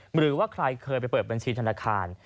หรือว่าใครเคยไปเปิดบัญชีธนาคาร